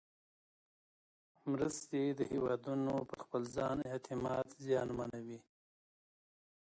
مرستې د هېوادونو پر خپل ځان اعتماد زیانمنوي.